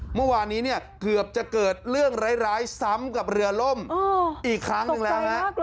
เมื่อวานนี้เนี่ยเกือบจะเกิดเรื่องร้ายซ้ำกับเรือล่มอีกครั้งหนึ่งแล้วฮะ